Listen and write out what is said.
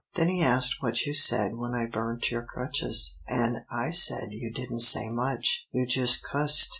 Then he asked what you said when I burnt your crutches, an' I said you didn't say much, you jus' cussed.